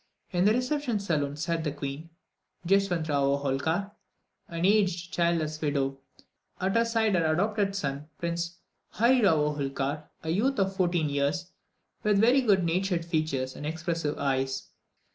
In the reception saloon sat the queen, Jeswont Rao Holcar, an aged, childless widow; at her side her adopted son, Prince Hury Rao Holcar, a youth of fourteen years, with very good natured features and expressive eyes.